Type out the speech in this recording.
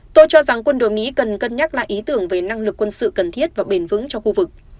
tôi cho rằng quân đội mỹ cần cân nhắc lại ý tưởng về năng lực quân sự cần thiết và bền vững cho khu vực